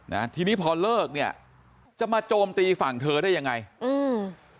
นะทีนี้พอเลิกเนี้ยจะมาโจมตีฝั่งเธอได้ยังไงอืม